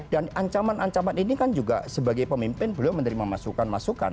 dan ancaman ancaman ini kan juga sebagai pemimpin belum menerima masukan masukan